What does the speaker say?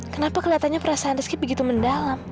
kenapa kelihatannya perasaan rizky begitu mendalam